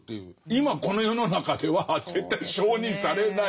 今この世の中では絶対承認されない。